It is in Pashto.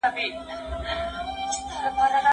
يوازي د پيسو زياتوالی د پرمختيا مانا نه لري.